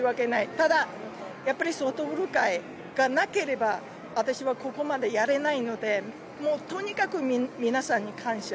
ただ、ソフトボール界がなければ私はここまでやれないのでとにかく、皆さんに感謝。